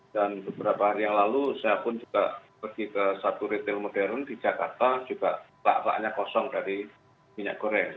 dan beberapa hari yang lalu saya pun juga pergi ke satu retail modern di jakarta juga taklaknya kosong dari minyak goreng